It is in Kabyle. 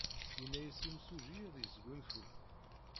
Yenna-as yimsujji ad yesgunfu.